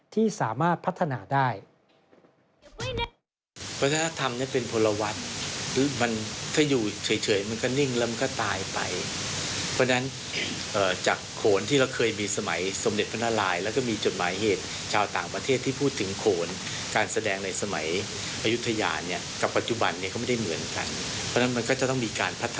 ที่สามารถพัฒนาได้